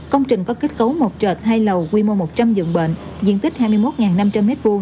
công trình có kết cấu một trệt hai lầu quy mô một trăm linh dường bệnh diện tích hai mươi một năm trăm linh m hai